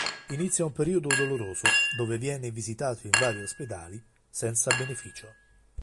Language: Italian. Inizia un periodo doloroso, dove viene visitato in vari ospedali, senza beneficio.